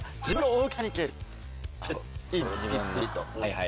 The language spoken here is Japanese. はい。